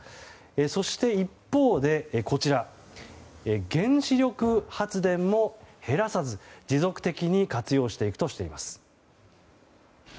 そして、一方でこちら原子力発電も減らさず持続的に活用していくとしています。